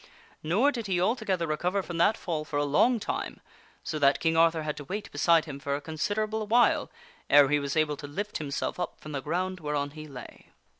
Nor did he altogether recover from that fall for a long time, so that King Arthur had to wait beside him for a considerable while ere he was able to lift himself up from the ground whereon he lay.